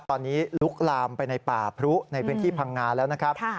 ตอนนี้ลุกลามไปในป่าพรุในพื้นที่พังงาแล้วนะครับ